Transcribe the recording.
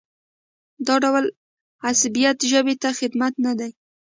دا ډول عصبیت ژبې ته خدمت نه دی.